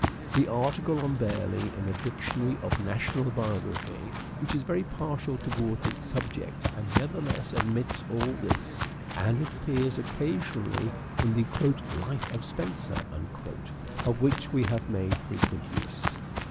The article on Burleigh in the Dictionary of National Biography, which is very partial towards its subject, nevertheless admits all this, and jit appears occasionally in the "Life of Spenser," of which we have made frequent use.